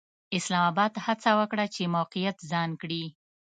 اسلام اباد هڅه وکړه چې موقعیت ځان کړي.